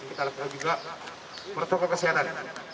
kita lakukan juga protokol kesehatan